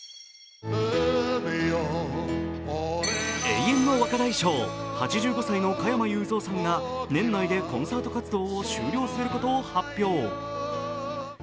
永遠の若大将、８５歳の加山雄三さんが年内でコンサート活動を終了することを発表。